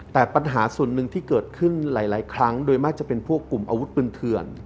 แต่ปัญหาส่วนหนึ่งที่เกิดขึ้นหลายครั้งโดยมากจะเป็นพวกกลุ่มอาวุธปืนเถื่อน